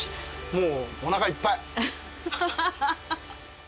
もう、おなかいっぱい。